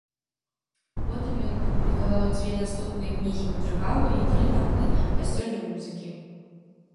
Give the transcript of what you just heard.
Потым ён апублікаваў дзве наступныя кнігі мадрыгалу і тры тамы касцёльнай музыкі.